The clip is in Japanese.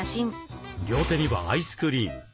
両手にはアイスクリーム。